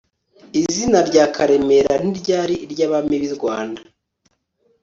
izina rya karemera ntiryari iry'abami b'i rwanda